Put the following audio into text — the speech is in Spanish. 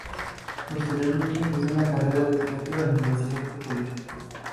Posteriormente, ingresó a la carrera de teatro en la Universidad Católica.